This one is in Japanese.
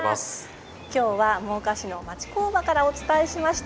今日は真岡市の町工場からお伝えしました。